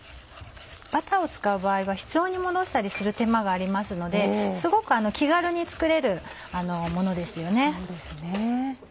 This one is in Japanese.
バターを使う場合は室温に戻したりする手間がありますのですごく気軽に作れるものですよね。